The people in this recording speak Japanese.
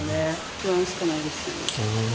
不安しかないですよね。